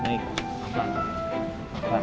kita dimana sih mas